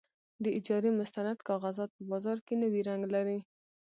د اجارې مستند کاغذات په بازار کې نوی رنګ لري.